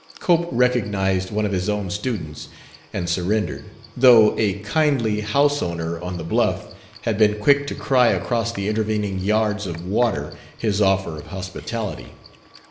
Cope recognized one of his own students and surrendered, though a kindly house owner on the bluff had been quick to cry across the intervening yards of water his offer of hospitality.